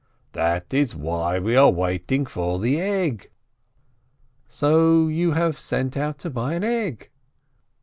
That is why we are waiting for the egg " "So you have sent out to buy an egg?"